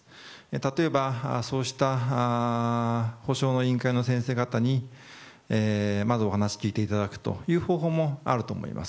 例えば、そうした補償の委員会の先生方にまずお話を聞いていただく方法もあると思います。